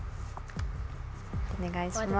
お願いします